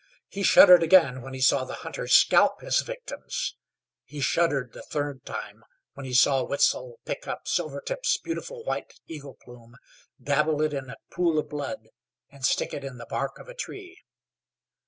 He shuddered again when he saw the hunter scalp his victims. He shuddered the third time when he saw Wetzel pick up Silvertip's beautiful white eagle plume, dabble it in a pool of blood, and stick it in the bark of a tree.